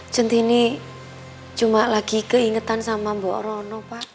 cinti ini cuma lagi keingetan sama mbak rono pak